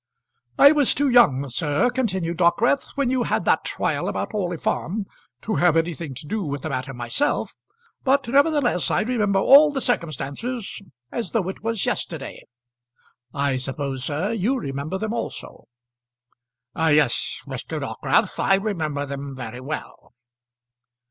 "I was too young, sir," continued Dockwrath, "when you had that trial about Orley Farm to have anything to do with the matter myself, but nevertheless I remember all the circumstances as though it was yesterday. I suppose, sir, you remember them also?" "Yes, Mr. Dockwrath, I remember them very well."